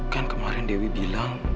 kan kemarin dewi bilang